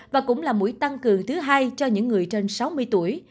và cũng là mũi tăng cường thứ hai cho những người trên sáu mươi tuổi